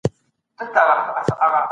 آیا د لیکلو له لارې حافظه ډېره پیاوړې کېږي؟